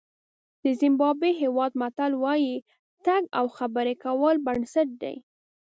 د زیمبابوې هېواد متل وایي تګ او خبرې کول بنسټ دی.